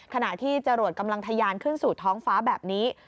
ขณะที่จรวดกำลังทะยานขึ้นสู่ท้องฟ้าแบบนี้